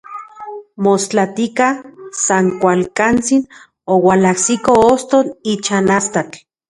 Mostlatika, san kualkantsin oualajsiko ostotl ichan astatl.